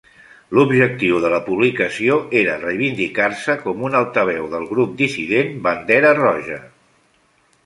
L’objectiu de la publicació era reivindicar-se com un altaveu del grup dissident Bandera Roja.